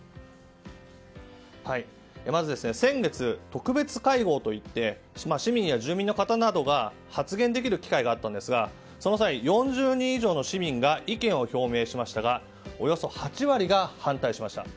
まず、先月特別会合といって市民や住民の方などが発言できる機会があったんですがその際、４０人以上の市民が意見を表明しましたがおよそ８割が反対しました。